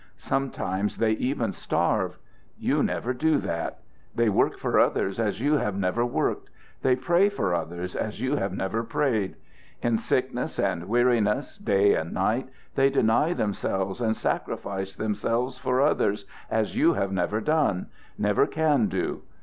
Sometimes they even starve. You never do that. They work for others as you have never worked; they pray for others as you have never prayed. In sickness and weariness, day and night, they deny themselves and sacrifice themselves for others as you have never done never can do.